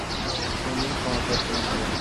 তিনি ক্ষমা প্রার্থনা করেন।